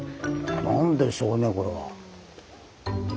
何でしょうねこれは。